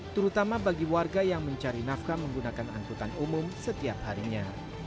terutama bagi warga yang mencari nafkah menggunakan angkutan umum setiap harinya